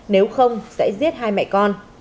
nếu không sẽ giết hai mẹ con